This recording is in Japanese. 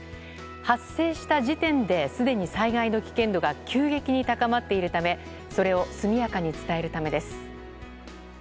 発生した時点ですでに災害の危険度が急激に高まっているためそれを速やかに伝えるためです。